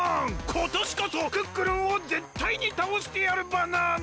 ことしこそクックルンをぜったいにたおしてやるバナナ！